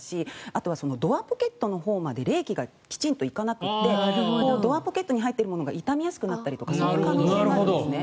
あとはドアポケットのほうまで冷気がきちんと行かなくてドアポケットに入ってるのが傷みやすくなるとかそういう可能性もあるんですね。